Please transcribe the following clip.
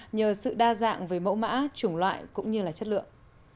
nhờ sự đa dạng về mẫu mã chủng loại cũng như là chất lượng